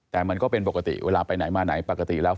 แต่มันก็เป็นปกติเวลาไปไหนมาไหนปกติแล้ว